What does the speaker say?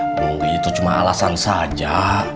mungkin itu cuma alasan saja